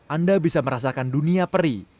anda bisa merasakan dunia peri